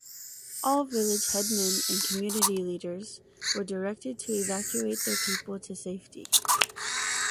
All village headmen and community leaders were directed to evacuate their people to safety.